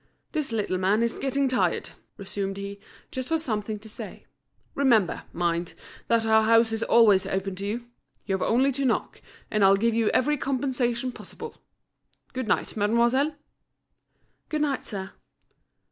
"This little man is getting tired," resumed he, just for something to say. "Remember, mind, that our house is always open to you; you've only to knock, and I'll give you every compensation possible. Good night, mademoiselle." "Good night, sir."